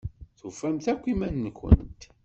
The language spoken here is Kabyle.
Tufamt akk iman-nkent?